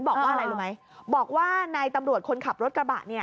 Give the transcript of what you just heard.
บอกว่าอะไรรู้ไหมบอกว่านายตำรวจคนขับรถกระบะเนี่ย